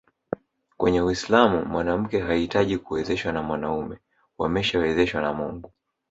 Kwenye Uislamu mwanamke hahitaji kuwezeshwa na mwanaume wameshawezeshwa na Mungu